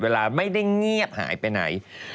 เวลาไม่ได้เงียบหายไปไหน